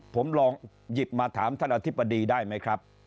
ผมลองหยิบมาถามท่านอธิบดีได้ไหมครับ